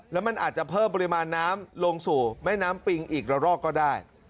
แล้วมันอาจจะเพิ่มปริมาณน้ำลงสู่แม่น้ำปิงอีกละรอกก็ได้